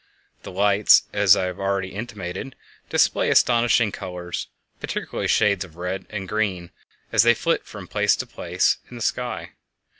The lights, as I have already intimated, display astonishing colors, particularly shades of red and green, as they flit from place to place in the sky.